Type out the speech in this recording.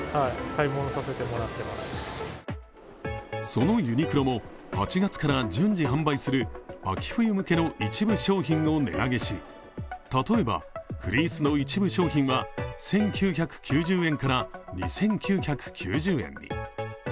そのユニクロも、８月から順次販売する秋冬向けの一部商品を値上げし例えば、フリースの一部商品は、１９９０円から２９９０円に。